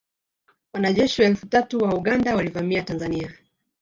Wanajeshi elfu tatu wa Uganda walivamia Tanzania